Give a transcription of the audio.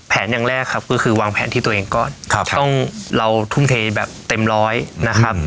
อย่างแรกครับก็คือวางแผนที่ตัวเองก่อนต้องเราทุ่มเทแบบเต็มร้อยนะครับ